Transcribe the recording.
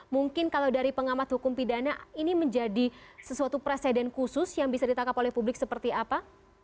mungkin kalau dari pengamat hukum pidana ini menjadi sesuatu presiden khusus yang bisa ditangkap oleh publik seperti apa